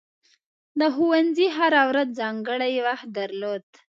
د ښوونځي هره ورځ ځانګړی وخت درلود.